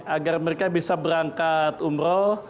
agar mereka bisa berangkat umroh